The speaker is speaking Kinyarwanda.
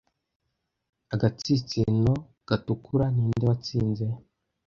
agatsinsino gatukura ninde watsinze